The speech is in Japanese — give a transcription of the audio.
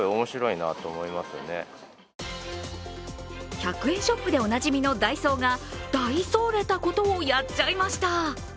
１００円ショップでおなじみのダイソーがダイソーれたことをやっちゃいました。